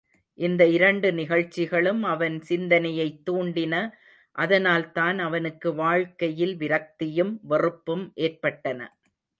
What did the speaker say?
இந்த இரண்டு நிகழ்ச்சிகளும் அவன் சிந்தனையைத் தூண்டின அதனால்தான் அவனுக்கு வாழ்க்கையில் விரக்தியும் வெறுப்பும் ஏற்பட்டன.